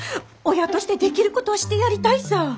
親としてできることはしてやりたいさぁ。